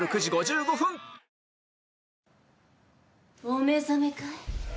お目覚めかい？